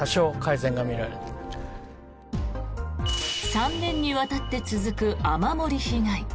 ３年にわたって続く雨漏り被害。